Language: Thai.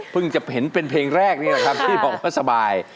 จะเห็นเป็นเพลงแรกนี่แหละครับที่บอกว่าสบาย